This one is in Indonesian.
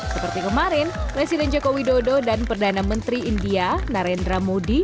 seperti kemarin presiden joko widodo dan perdana menteri india narendra modi